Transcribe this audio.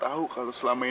saya ada di sana juga